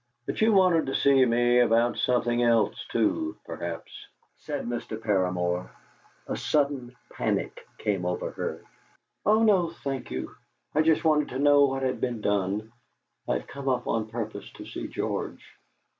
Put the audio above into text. "But you wanted to see me about something else too, perhaps?" said Mr. Paramor. A sudden panic came over her. "Oh no, thank you. I just wanted to know what had been done. I've come up on purpose to see George.